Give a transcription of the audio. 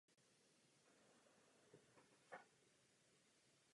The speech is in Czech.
Provádí ji většinou centrální banky.